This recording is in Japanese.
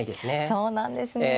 そうなんですね。